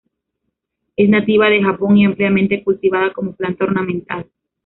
Es nativa de Japón y ampliamente cultivada como planta ornamental.